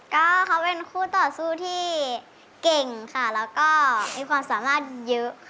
ก็เขาเป็นคู่ต่อสู้ที่เก่งค่ะแล้วก็มีความสามารถเยอะค่ะ